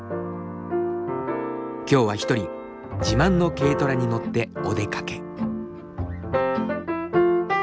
今日は一人自慢の軽トラに乗ってお出かけ。